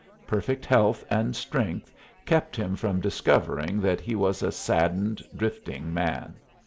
Perfect health and strength kept him from discovering that he was a saddened, drifting man.